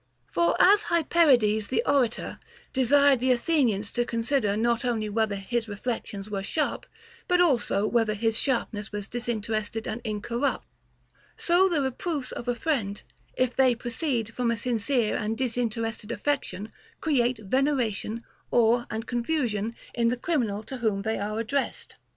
}. For as Hyperides the orator desired the Athenians to con sider not only whether his reflections were sharp, but also whether his sharpness was disinterested and incorrupt ; so the reproofs of a friend, if they proceed from a sincere and disinterested affection, create veneration, awe, and confusion in the criminal to whom they are addressed.